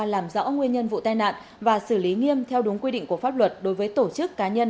làm rõ nguyên nhân vụ tai nạn và xử lý nghiêm theo đúng quy định của pháp luật đối với tổ chức cá nhân